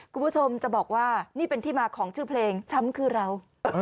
คุณผู้ชมจะบอกว่านี่เป็นที่มาของชื่อเพลงช้ำคือเรา